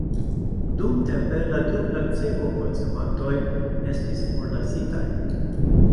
Dumtempe la du placebo-konsumantoj estis forlasitaj.